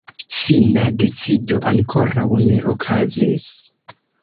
Fina decido ankoraŭ ne okazis.